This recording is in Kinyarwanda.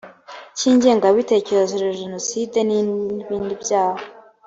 cy ingengabitekerezo ya jenoside n ibindi byaha